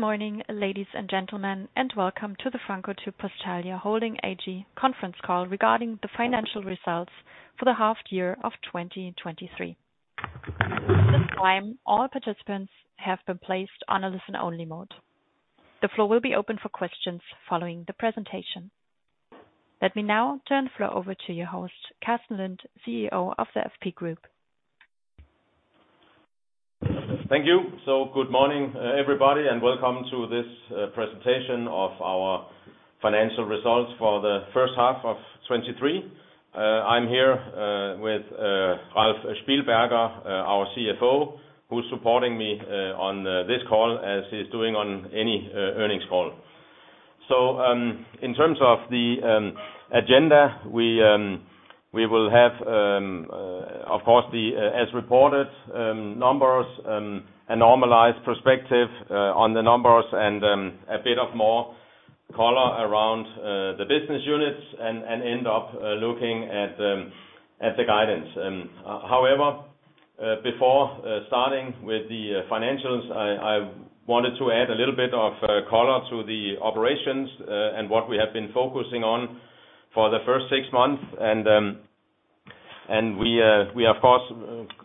Good morning, ladies and gentlemen, and welcome to the Francotyp-Postalia Holding AG conference call regarding the financial results for the half year of 2023. At this time, all participants have been placed on a listen-only mode. The floor will be open for questions following the presentation. Let me now turn the floor over to your host, Carsten Lind, CEO of the FP Group. Thank you. Good morning, everybody, and welcome to this presentation of our financial results for the H1 of 2023. I'm here with Ralf Spielberger, our CFO, who's supporting me on this call, as he's doing on any earnings call. In terms of the agenda, we will have, of course, the as reported numbers, a normalized perspective on the numbers and end up looking at the guidance. However, before starting with the financials, I wanted to add a little bit of color to the operations, and what we have been focusing on for the first six months, and we, of course,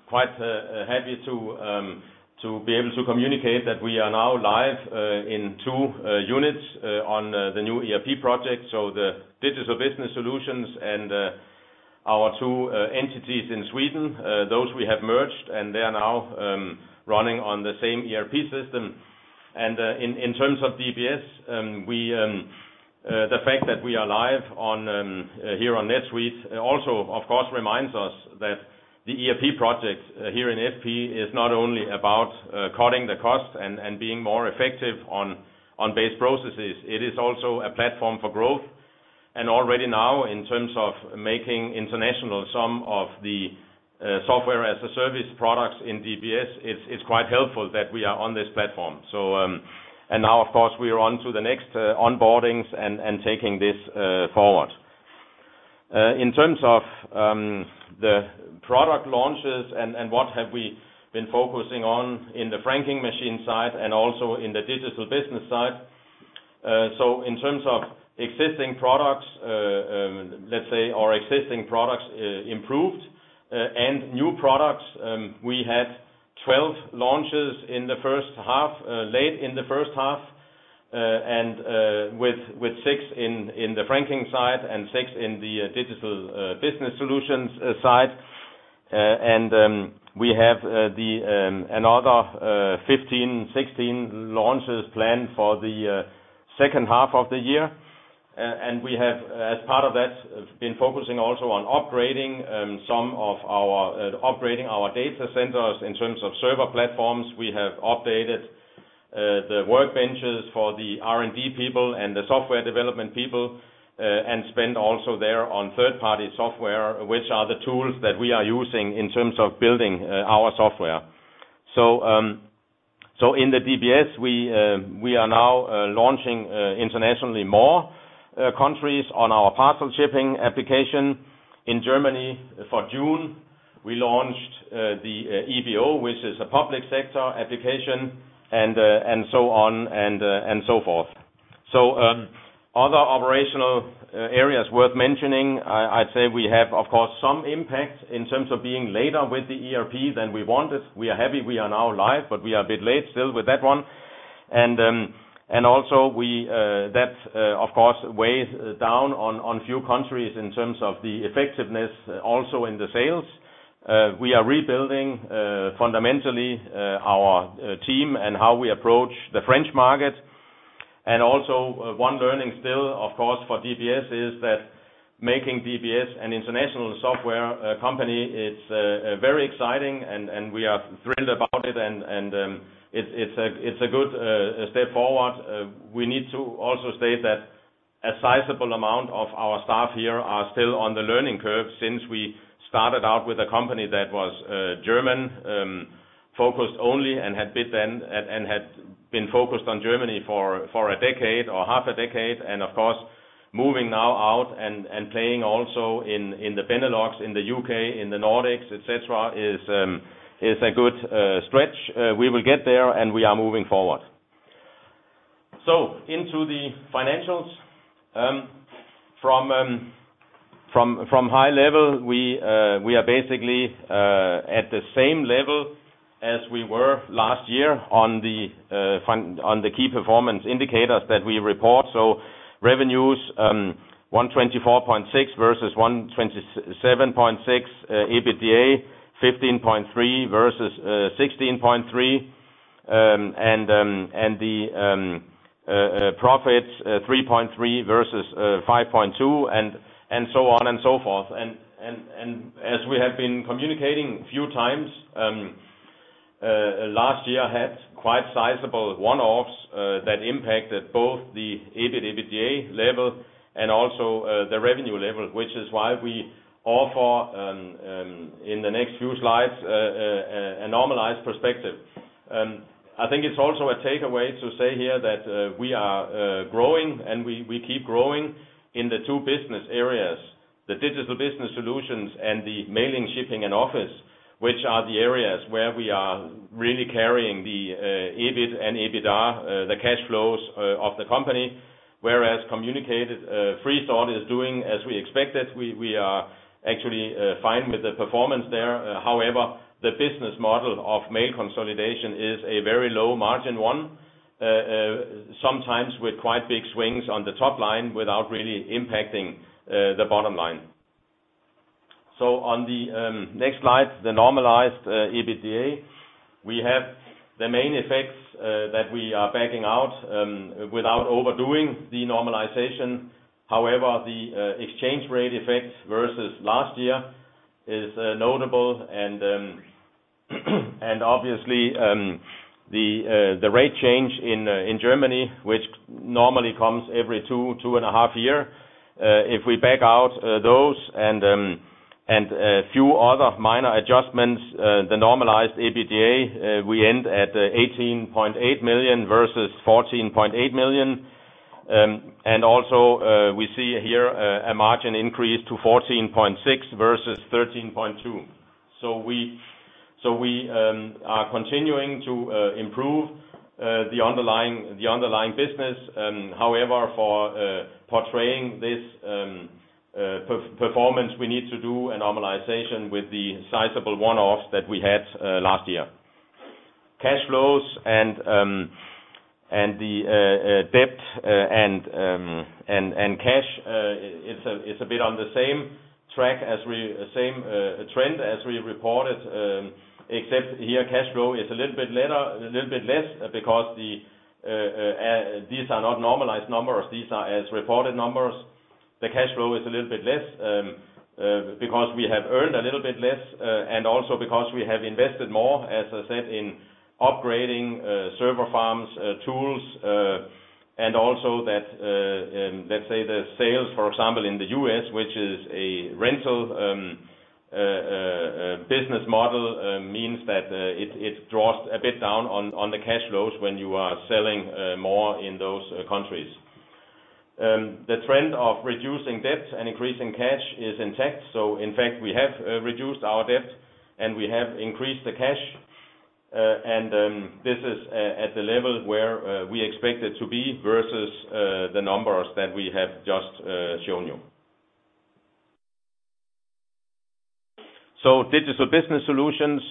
quite happy to be able to communicate that we are now live in two units on the new ERP project. So the digital business solutions and our two entities in Sweden, those we have merged, and they are now running on the same ERP system. In terms of DBS, the fact that we are live on here on NetSuite, also, of course, reminds us that the ERP project here in FP is not only about cutting the cost and being more effective on base processes, it is also a platform for growth. And already now, in terms of making international some of the software as a service products in DBS, it's quite helpful that we are on this platform. So, and now, of course, we are on to the next onboardings and taking this forward. In terms of the product launches and what have we been focusing on in the franking machine side and also in the digital business side. So in terms of existing products, let's say our existing products, improved, and new products, we had 12 launches in the H1, late in the H1, and with 6 in the franking side and 6 in the digital business solutions side. And we have the another 15, 16 launches planned for the second half of the year. And we have, as part of that, been focusing also on upgrading some of our upgrading our data centers in terms of server platforms. We have updated the workbenches for the R&D people and the software development people, and spend also there on third-party software, which are the tools that we are using in terms of building our software. So in the DBS, we are now launching internationally more countries on our parcel shipping application. In Germany, for June, we launched the EVO, which is a public sector application, and so on and so forth. Other operational areas worth mentioning, I'd say we have, of course, some impact in terms of being later with the ERP than we wanted. We are happy we are now live, but we are a bit late still with that one. And also, that of course weighs down on few countries in terms of the effectiveness, also in the sales. We are rebuilding fundamentally our team and how we approach the French market. And also, one learning still, of course, for DBS is that making DBS an international software company, it's very exciting and we are thrilled about it, and it's a good step forward. We need to also state that a sizable amount of our staff here are still on the learning curve since we started out with a company that was German focused only and had been focused on Germany for a decade or half a decade. And of course, moving now out and playing also in the Benelux, in the UK, in the Nordics, et cetera, is a good stretch. We will get there, and we are moving forward. So into the financials. From high level, we are basically at the same level as we were last year on the key performance indicators that we report. So revenues, 124.6 versus 127.6, EBITDA, 15.3 versus 16.3, and the profits, 3.3 versus 5.2, and so on and so forth. And as we have been communicating a few times, last year had quite sizable one-offs that impacted both the EBIT, EBITDA level and also the revenue level, which is why we offer in the next few slides a normalized perspective. I think it's also a takeaway to say here that, we are, growing, and we, we keep growing in the two business areas, the Digital Business Solutions and the Mailing, Shipping and Office Solutions.... which are the areas where we are really carrying the, EBIT and EBITDA, the cash flows, of the company, whereas communicated, Freesort is doing as we expected. We, we are actually, fine with the performance there. However, the business model of mail consolidation is a very low margin one, sometimes with quite big swings on the top line without really impacting, the bottom line. So on the, next slide, the normalized, EBITDA, we have the main effects, that we are backing out, without overdoing the normalization. However, the exchange rate effect versus last year is notable and obviously the rate change in Germany, which normally comes every two and a half years, if we back out those and a few other minor adjustments, the normalized EBITDA we end at 18.8 million versus 14.8 million. And also, we see here a margin increase to 14.6% versus 13.2%. So we are continuing to improve the underlying business. However, for portraying this performance, we need to do a normalization with the sizable one-offs that we had last year. Cash flows and the debt and cash is a bit on the same track, same trend as we reported, except here, cash flow is a little bit lesser, a little bit less because these are not normalized numbers, these are as reported numbers. The cash flow is a little bit less because we have earned a little bit less and also because we have invested more, as I said, in upgrading server farms, tools, and also that, let's say, the sales, for example, in the U.S., which is a rental business model, means that it draws a bit down on the cash flows when you are selling more in those countries. The trend of reducing debt and increasing cash is intact. So in fact, we have reduced our debt, and we have increased the cash, and this is at the level where we expect it to be versus the numbers that we have just shown you. So digital business solutions,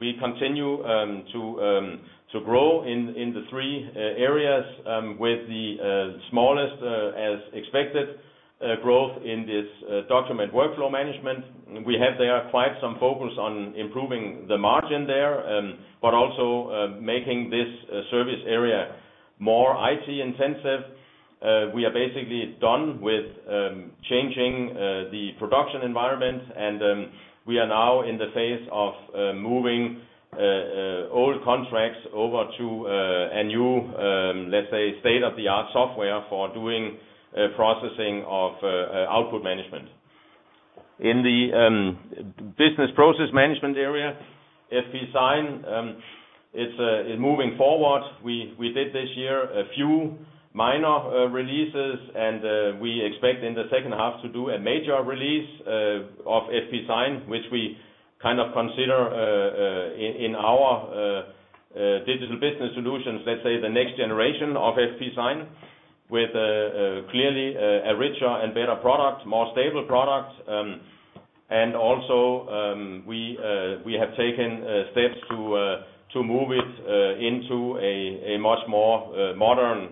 we continue to grow in the three areas with the smallest, as expected, growth in this document workflow management. We have there quite some focus on improving the margin there, but also making this service area more IT intensive. We are basically done with changing the production environment, and we are now in the phase of moving old contracts over to a new, let's say, state-of-the-art software for doing processing of output management. In the business process management area, FP Sign is moving forward. We did this year a few minor releases, and we expect in the second half to do a major release of FP Sign, which we kind of consider in our Digital Business Solutions, let's say the next generation of FP Sign, with clearly a richer and better product, more stable product. And also, we have taken steps to move it into a much more modern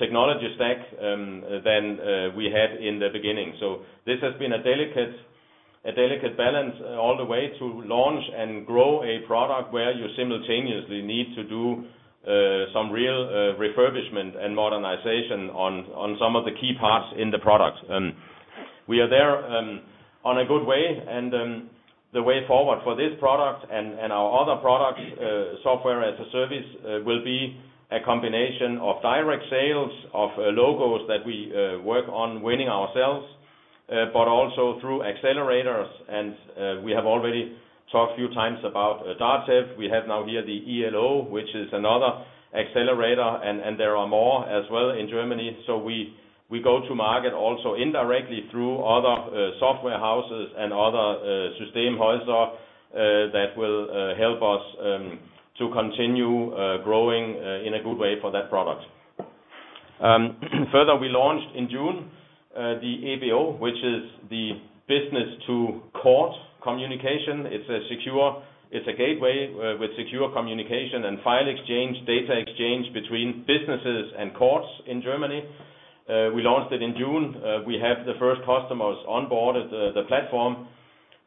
technology stack than we had in the beginning. So this has been a delicate balance all the way to launch and grow a product where you simultaneously need to do some real refurbishment and modernization on some of the key parts in the product. We are there on a good way, and the way forward for this product and our other products, software as a service, will be a combination of direct sales, of logos that we work on winning ourselves, but also through accelerators. And we have already talked a few times about DATEV. We have now here the ELO, which is another accelerator, and there are more as well in Germany. So we go to market also indirectly through other software houses and other Systemhäuser that will help us to continue growing in a good way for that product. Further, we launched in June the eBO, which is the business to court communication. It's a secure gateway with secure communication and file exchange, data exchange between businesses and courts in Germany. We launched it in June. We have the first customers on board at the platform,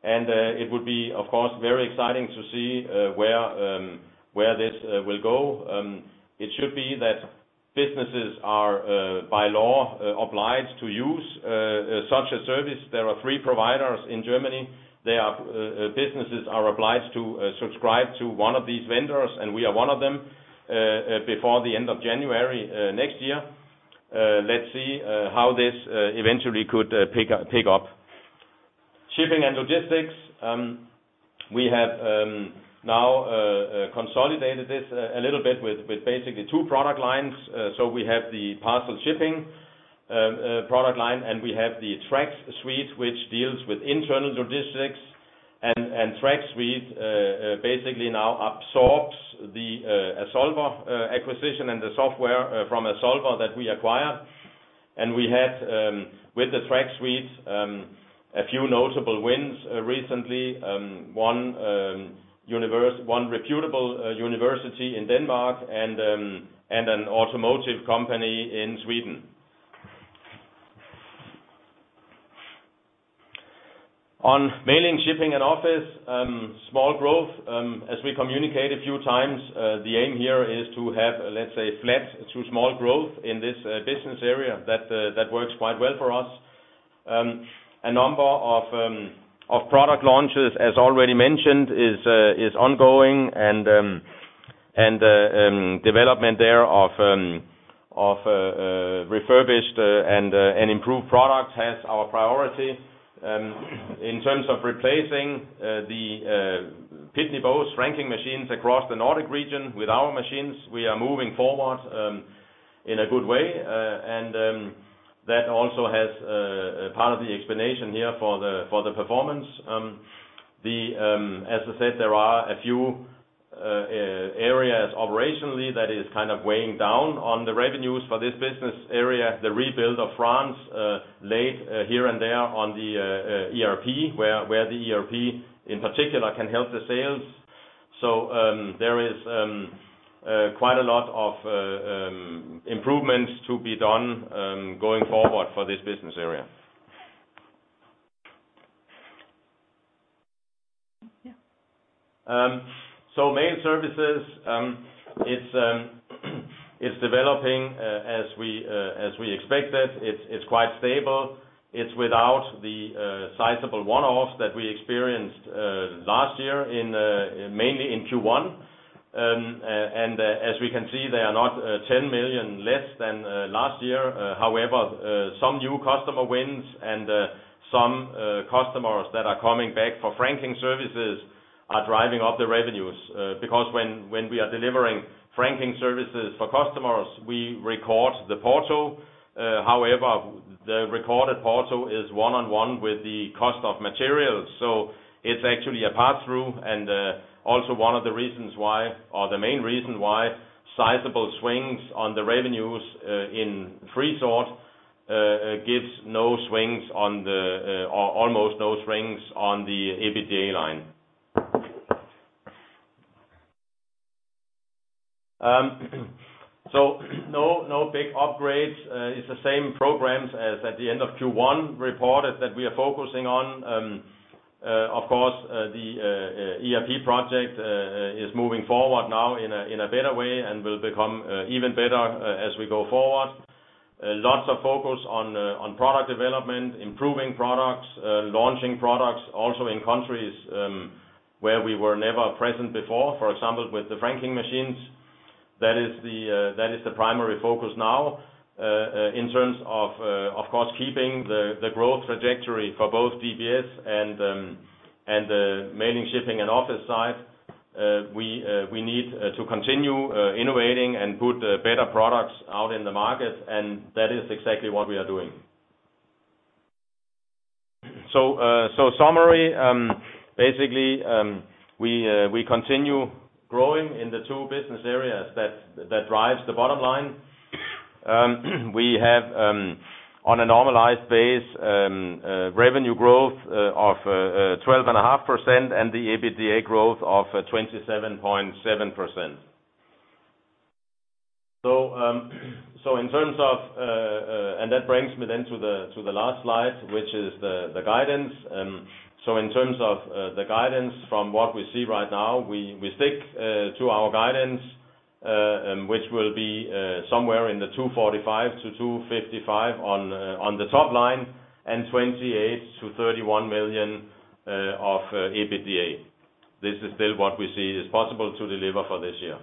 and it would be, of course, very exciting to see where this will go. It should be that businesses are by law obliged to use such a service. There are three providers in Germany. They are, businesses are obliged to subscribe to one of these vendors, and we are one of them before the end of January next year. Let's see how this eventually could pick up. Shipping and Logistics. We have now consolidated this a little bit with basically two product lines. So we have the parcel shipping product line, and we have the Trax suite, which deals with internal logistics. And Trax suite basically now absorbs the Azolver acquisition and the software from Azolver that we acquired. And we had with the Trax suite a few notable wins recently, one reputable university in Denmark and an automotive company in Sweden. On mailing, shipping and office, small growth, as we communicate a few times, the aim here is to have, let's say, flat to small growth in this business area, that works quite well for us. A number of product launches, as already mentioned, is ongoing, and development thereof refurbished and improved products has our priority. In terms of replacing the Pitney Bowes franking machines across the nordic region with our machines, we are moving forward in a good way. And that also has a part of the explanation here for the performance. As I said, there are a few areas operationally that is kind of weighing down on the revenues for this business area. The rebuild of France laid here and there on the ERP, where the ERP, in particular, can help the sales. So, there is quite a lot of improvements to be done, going forward for this business area. So Mail Services, it's developing as we expected. It's quite stable. It's without the sizable one-offs that we experienced last year, mainly in Q1. And as we can see, they are not 10 million less than last year. However, some new customer wins and some customers that are coming back for franking services are driving up the revenues. Because when we are delivering franking services for customers, we record the postage. However, the recorded postage is one-to-one with the cost of materials, so it's actually a pass-through, and also one of the reasons why, or the main reason why sizable swings on the revenues in Freesort gives no swings on the, or almost no swings on the EBITDA line. So no big upgrades. It's the same programs as at the end of Q1 report that we are focusing on. Of course, the ERP project is moving forward now in a better way and will become even better as we go forward. Lots of focus on product development, improving products, launching products, also in countries where we were never present before, for example, with the franking machines. That is the primary focus now. In terms of, of course, keeping the growth trajectory for both DPS and the mailing, shipping, and office side, we need to continue innovating and put better products out in the market, and that is exactly what we are doing. So, summary, basically, we continue growing in the two business areas that drives the bottom line. We have on a normalized base revenue growth of 12.5%, and the EBITDA growth of 27.7%. In terms of. And that brings me then to the last slide, which is the guidance. So in terms of the guidance from what we see right now, we stick to our guidance, which will be somewhere in the 245-255 on the top line, and 28-31 million of EBITDA. This is still what we see is possible to deliver for this year.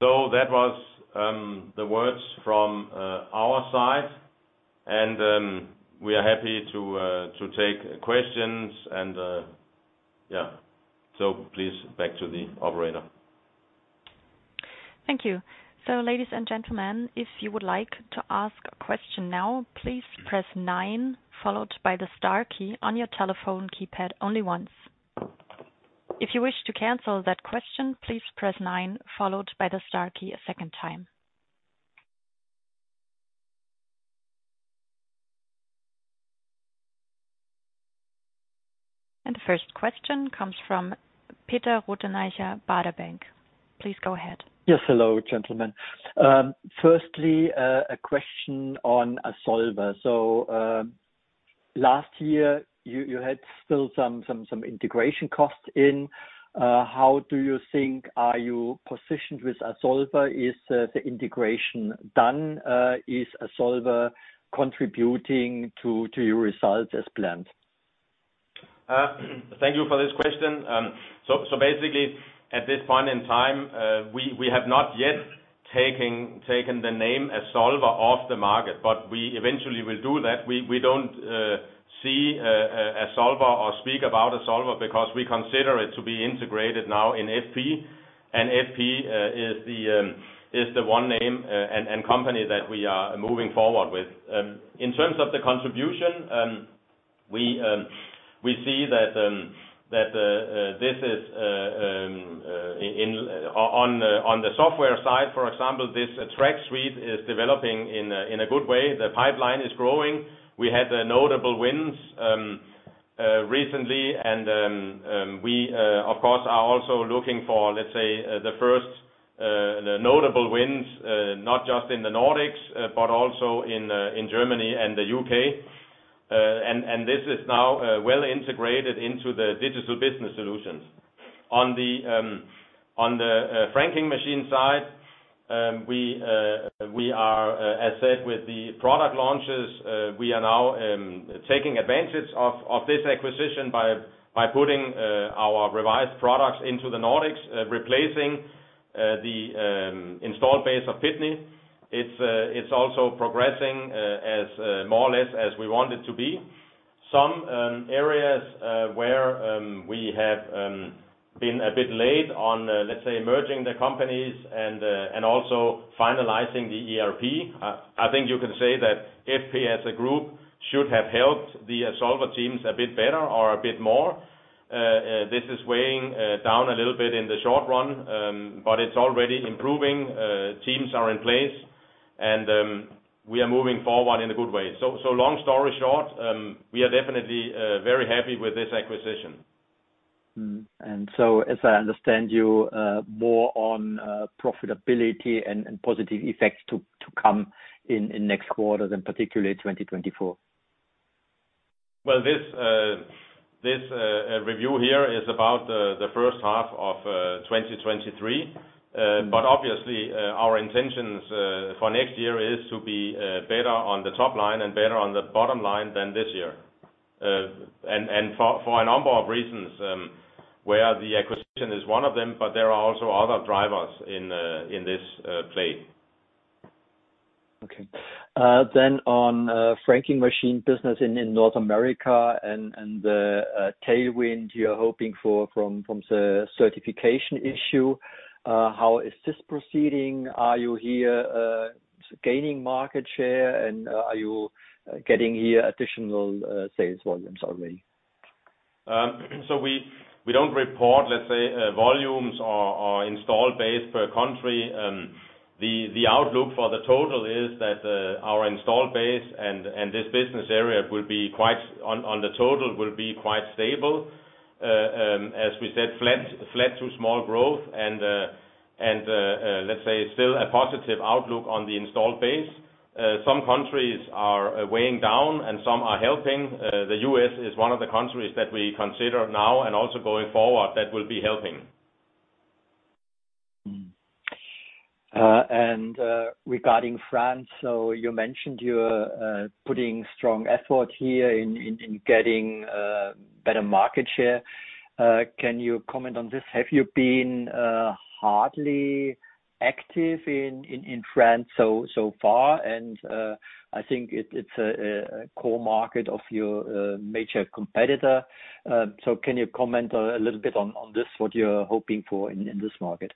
So that was the words from our side, and we are happy to take questions and yeah. So please, back to the operator. Thank you. Ladies and gentlemen, if you would like to ask a question now, please press nine followed by the star key on your telephone keypad only once. If you wish to cancel that question, please press nine followed by the star key a second time. The first question comes from Peter Rothenaicher, Baader Bank. Please go ahead. Yes. Hello, gentlemen. Firstly, a question on Azolver. So, last year, you had still some integration costs in. How do you think are you positioned with Azolver? Is the integration done? Is Azolver contributing to your results as planned? Thank you for this question. So basically, at this point in time, we have not yet taking the name Azolver off the market, but we eventually will do that. We don't see or speak about Azolver because we consider it to be integrated now in FP. And FP is the one name and company that we are moving forward with. In terms of the contribution, we see that this is on the software side, for example, this Trax suite is developing in a good way. The pipeline is growing. We had notable wins recently, and we, of course, are also looking for, let's say, the first notable wins, not just in the Nordics, but also in Germany and the U.K. And this is now well integrated into the digital business solutions. On the franking machine side, we are, as said, with the product launches, we are now taking advantage of this acquisition by putting our revised products into the Nordics, replacing the installed base of Pitney. It's also progressing, as more or less as we want it to be. Some areas where we have been a bit late on, let's say, merging the companies and also finalizing the ERP. I think you can say that FP as a group should have helped the Azolver teams a bit better or a bit more. This is weighing down a little bit in the short run, but it's already improving. Teams are in place, and we are moving forward in a good way. So, long story short, we are definitely very happy with this acquisition. So as I understand you, more on profitability and positive effects to come in next quarter, then particularly 2024. Well, this review here is about the H1 of 2023. But obviously, our intentions for next year is to be better on the top line and better on the bottom line than this year. And for a number of reasons, where the acquisition is one of them, but there are also other drivers in this play. Okay. Then on franking machine business in North America and tailwind you're hoping for from the certification issue, how is this proceeding? Are you gaining market share, and are you getting additional sales volumes already? So we don't report, let's say, volumes or installed base per country. The outlook for the total is that our installed base and this business area will be quite on the total, quite stable. As we said, flat to small growth and, let's say, still a positive outlook on the installed base. Some countries are weighing down and some are helping. The U.S. is one of the countries that we consider now and also going forward, that will be helping. And regarding France, so you mentioned you're putting strong effort here in getting better market share. Can you comment on this? Have you been hardly active in France so far? And I think it's a core market of your major competitor. So can you comment a little bit on this, what you're hoping for in this market?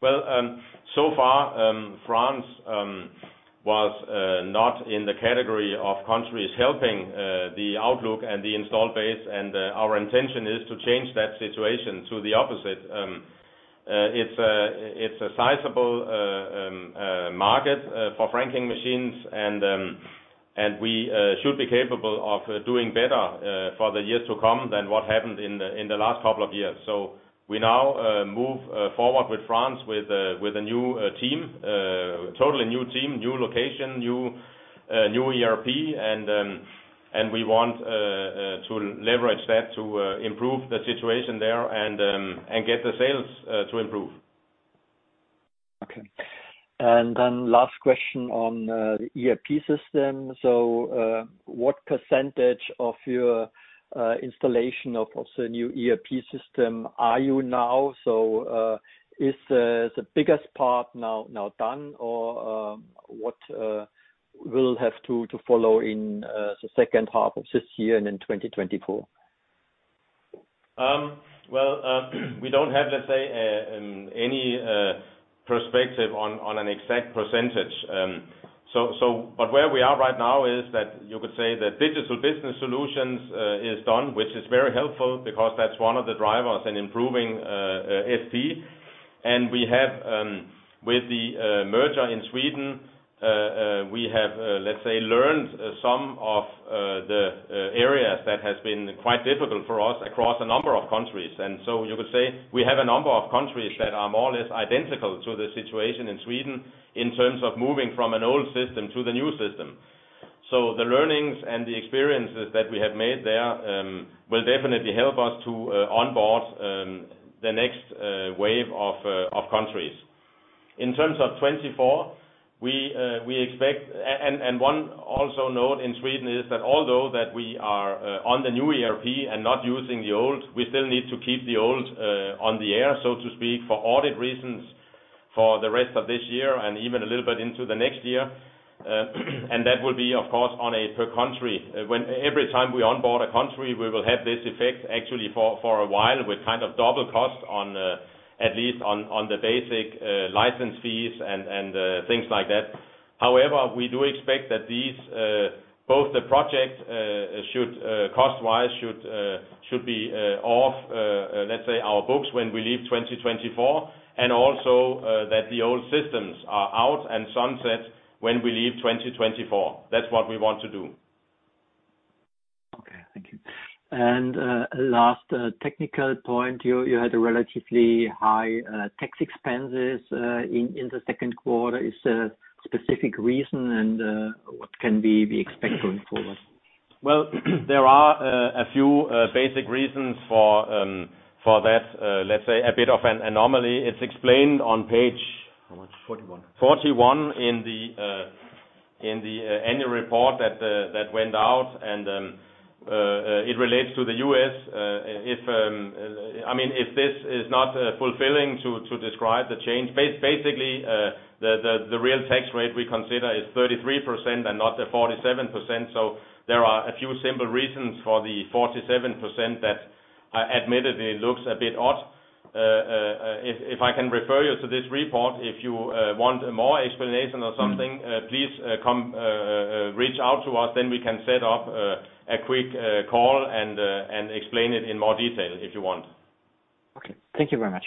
Well, so far, France was not in the category of countries helping the outlook and the installed base, and our intention is to change that situation to the opposite. It's a sizable market for franking machines, and we should be capable of doing better for the years to come than what happened in the last couple of years. So we now move forward with France, with a totally new team, new location, new ERP, and we want to leverage that to improve the situation there and get the sales to improve. Okay. And then last question on the ERP system. So, what percentage of your installation of the new ERP system are you now? So, is the biggest part now done, or what will have to follow in the second half of this year and in 2024? Well, we don't have, let's say, any perspective on an exact percentage. So, but where we are right now is that you could say the digital business solutions is done, which is very helpful because that's one of the drivers in improving FP. And we have, with the merger in Sweden, we have, let's say, learned some of the areas that has been quite difficult for us across a number of countries. And so you could say we have a number of countries that are more or less identical to the situation in Sweden in terms of moving from an old system to the new system. So the learnings and the experiences that we have made there will definitely help us to onboard the next wave of countries. In terms of 2024... We expect, and one also note in Sweden is that although we are on the new ERP and not using the old, we still need to keep the old on the air, so to speak, for audit reasons, for the rest of this year and even a little bit into the next year. And that will be, of course, on a per country. Every time we onboard a country, we will have this effect actually for a while, with kind of double cost on at least on the basic license fees and things like that. However, we do expect that these, both the project should cost-wise be off, let's say, our books when we leave 2024, and also that the old systems are out and sunset when we leave 2024. That's what we want to do. Okay, thank you. Last technical point, you had a relatively high tax expenses in the Q2. Is there a specific reason, and what can we expect going forward? Well, there are a few basic reasons for that, let's say, a bit of an anomaly. It's explained on page- How much? 41? 41 in the annual report that went out, and it relates to the US. I mean, if this is not fulfilling to describe the change, basically the real tax rate we consider is 33% and not the 47%. So there are a few simple reasons for the 47% that admittedly looks a bit odd. If I can refer you to this report, if you want more explanation or something- Mm-hmm. Please, come reach out to us, then we can set up a quick call and and explain it in more detail, if you want. Okay. Thank you very much.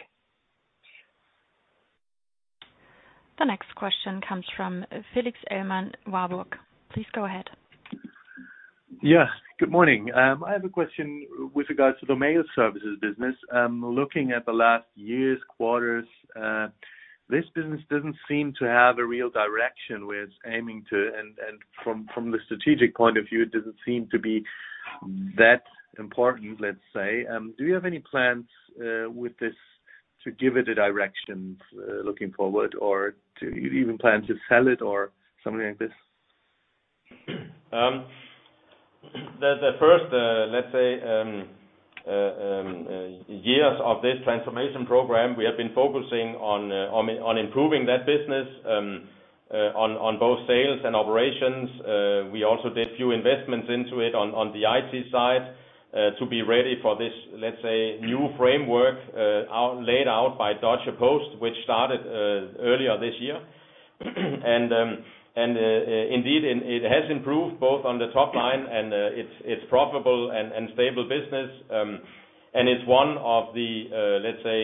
The next question comes from Felix Ellmann, Warburg. Please go ahead. Yes, good morning. I have a question with regards to the mail services business. Looking at the last year's quarters, this business doesn't seem to have a real direction where it's aiming to, and from the strategic point of view, it doesn't seem to be that important, let's say. Do you have any plans with this to give it a direction, looking forward, or do you even plan to sell it or something like this? The first, let's say, years of this transformation program, we have been focusing on improving that business on both sales and operations. We also did a few investments into it on the IT side to be ready for this, let's say, new framework laid out by Deutsche Post, which started earlier this year. And indeed, it has improved both on the top line, and it's profitable and stable business. And it's one of the, let's say,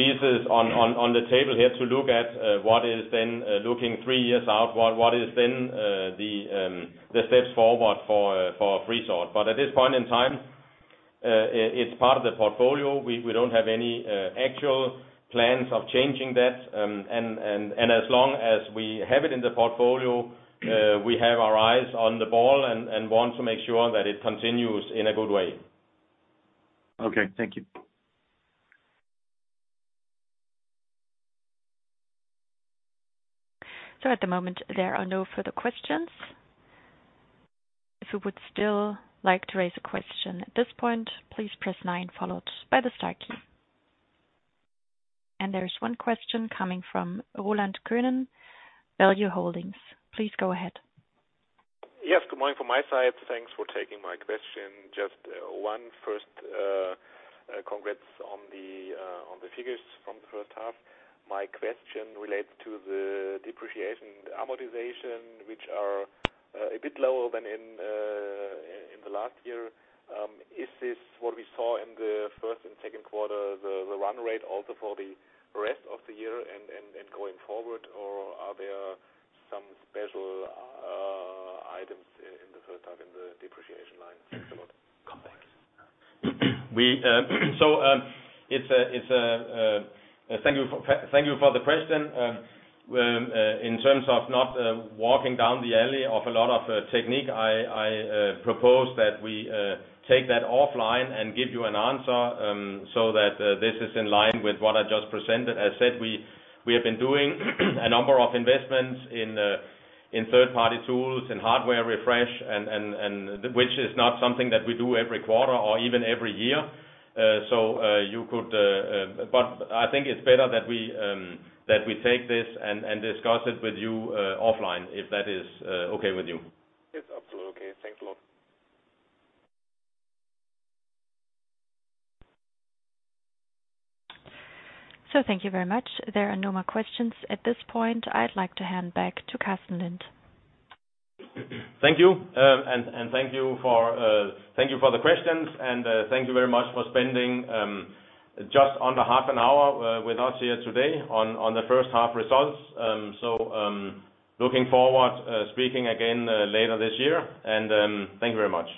pieces on the table here to look at what is then looking three years out, what is then the steps forward for Freesort. At this point in time, it's part of the portfolio. We don't have any actual plans of changing that. As long as we have it in the portfolio, we have our eyes on the ball and want to make sure that it continues in a good way. Okay, thank you. At the moment, there are no further questions. If you would still like to raise a question at this point, please press nine, followed by the star key. There's one question coming from Roland Könen, Value Holdings. Please go ahead. Yes, good morning from my side. Thanks for taking my question. Just one first, congrats on the figures from the H1. My question relates to the depreciation and amortization, which are a bit lower than in the last year. Is this what we saw in the first and Q2, the run rate also for the rest of the year and going forward, or are there some special items in the H1 in the depreciation line? Thanks a lot. Thank you for the question. In terms of not walking down the alley of a lot of technique, I propose that we take that offline and give you an answer, so that this is in line with what I just presented. I said, we have been doing a number of investments in third-party tools and hardware refresh, and which is not something that we do every quarter or even every year. But I think it's better that we take this and discuss it with you offline, if that is okay with you. It's absolutely okay. Thanks a lot. Thank you very much. There are no more questions at this point. I'd like to hand back to Carsten Lind. Thank you, and thank you for the questions, and thank you very much for spending just under half an hour with us here today on the H1 results. So, looking forward, speaking again later this year, and thank you very much.